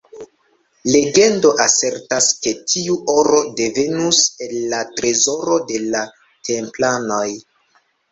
Legendo asertas, ke tiu oro devenus el la trezoro de la Templanoj.